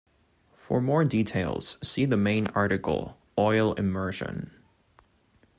For more details, see the main article, oil immersion.